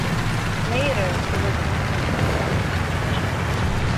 Later, she was moved to Philadelphia.